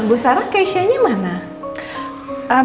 bu sarah keishanya mana